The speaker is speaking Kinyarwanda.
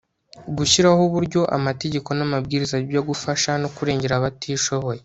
gushyiraho uburyo, amategeko n'amabwiriza byo gufasha no kurengera abatishoboye